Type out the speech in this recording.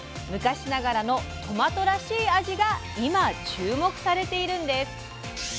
昔ながらの「トマトらしい」味が今注目されているんです。